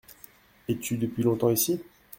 Es-tu depuis longtemps ici ?